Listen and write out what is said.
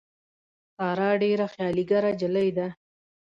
ساره ډېره خیالي ګره نجیلۍ ده.